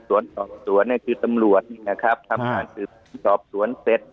ส่วนต่อส่วนคือตำรวจทำการส่งส่วน